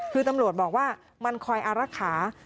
คือตำรวจบอกว่ามันคอยอารักษา